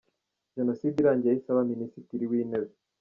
Jenoside irangiye yahise aba Minisitiri w’Intebe.